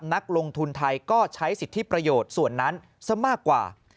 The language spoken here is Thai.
นักลงทุนไทยก็ใช้สิทธิประโยชน์ส่วนนั้นซะมากกว่า